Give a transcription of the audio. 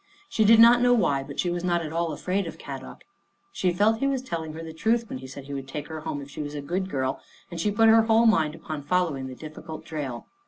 She did not know why, but she was not at all afraid of Kadok. She felt he was telling her the truth when he said he would take her home if she was a good girl, and she put her whole mind upon following the difficult trail.